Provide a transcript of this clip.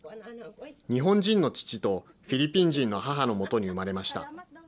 日本人の父と、フィリピン人の母のもとに生まれました。